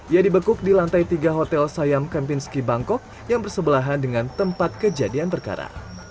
ia dibekuk di lantai tiga hotel sayam kempinski bangkok yang bersebelahan dengan tempat kejadian perkara